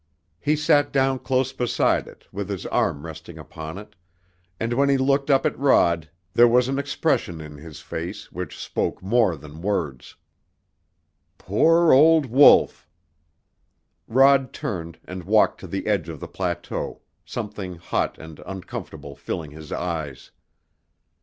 He sat down close beside it, with his arm resting upon it, and when he looked up at Rod there was an expression in his face which spoke more than words. "Poor old Wolf!" Rod turned and walked to the edge of the plateau, something hot and uncomfortable filling his eyes.